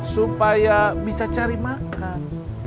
supaya bisa cari makan